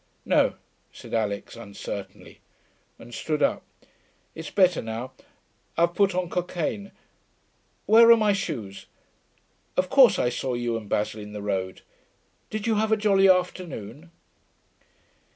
'No,' said Alix, uncertainly, and stood up. 'It's better now. I've put on cocaine.... Where are my shoes?... Of course I saw you and Basil in the road.... Did you have a jolly afternoon?'